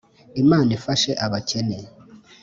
imana ifashe abakene,